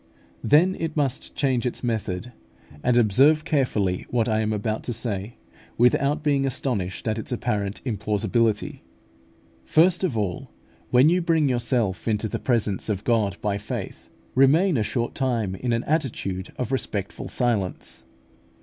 Then it must change its method, and observe carefully what I am about to say, without being astonished at its apparent implausibility. First of all, when you bring yourself into the presence of God by faith, remain a short time in an attitude of respectful silence.